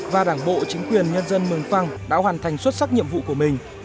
và đảng bộ chính quyền nhân dân mường phăng đã hoàn thành xuất sắc nhiệm vụ của mình